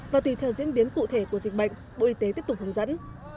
và tùy theo diễn biến cụ thể của dịch bệnh bộ y tế tiếp tục hướng dẫn